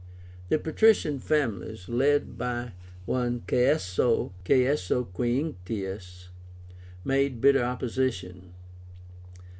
The patrician families, led by one Kaeso Quinctius, made bitter opposition.